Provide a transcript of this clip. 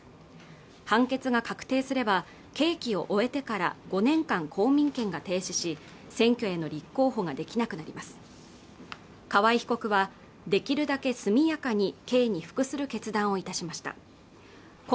判決が確定すれば刑期を終えてから５年間公民権が停止し選挙への立候補ができなくなります河井被告はできるだけ速やかに刑に服する決断をいたしました